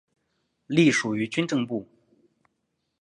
隶属于军政部。